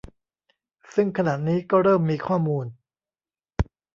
ซึ่งขณะนี้ก็เริ่มมีข้อมูล